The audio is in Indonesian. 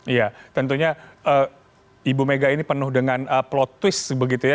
iya tentunya ibu mega ini penuh dengan plot twist begitu ya